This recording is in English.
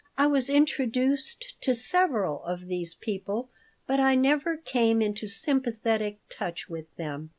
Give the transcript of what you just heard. I was introduced to several of these people, but I never came into sympathetic touch with them.